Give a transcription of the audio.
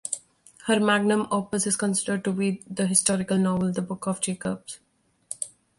Her magnum opus is considered to be the historical novel "The Books of Jacob".